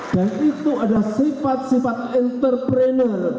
dan itu adalah sifat sifat entrepreneur